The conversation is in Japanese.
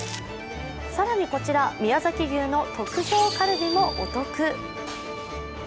更にこちら、宮崎牛の特上カルビもお得。